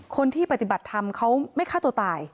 ปฏิบัติธรรมเขาไม่ฆ่าตัวตาย